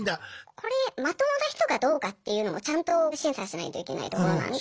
これまともな人かどうかっていうのもちゃんと審査しないといけないところなんで。